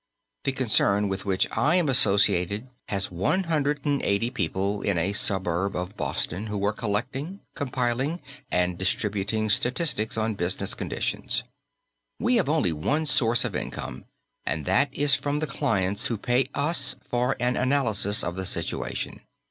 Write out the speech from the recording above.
The concern with which I am associated has one hundred and eighty people in a suburb of Boston who are collecting, compiling and distributing statistics on business conditions. We have only one source of income, and that is from the clients who pay us for an analysis of the situation.